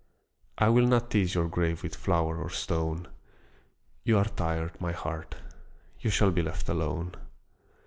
I will not tease your grave with flower or stone; You are tired, my heart; you shall be left alone.